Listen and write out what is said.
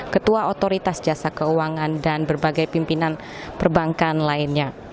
ketua otoritas jasa keuangan dan berbagai pimpinan perbankan lainnya